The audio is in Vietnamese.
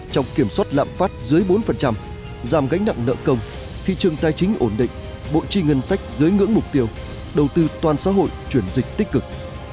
trong kiểm soát lạm phát dưới bốn giảm gánh nặng nợ công thị trường tài chính ổn định bộ chi ngân sách dưới ngưỡng mục tiêu đầu tư toàn xã hội chuyển dịch tích cực